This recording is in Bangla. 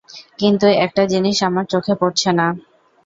কিন্তু একটা জিনিস আমার চোখে পড়ছে না।